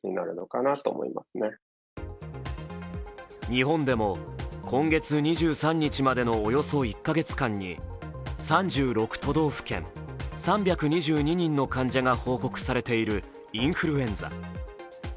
日本でも今月２３日までのおよそ１か月間に３６都道府県３２２人の患者が報告されているインフルエンザ。